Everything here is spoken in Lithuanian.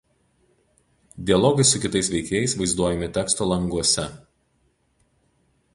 Dialogai su kitais veikėjais vaizduojami teksto languose.